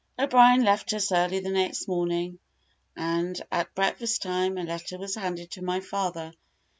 O'Brien left us early the next morning, and, at breakfast time, a letter was handed to my father.